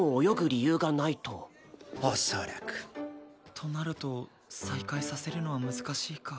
となると再開させるのは難しいか。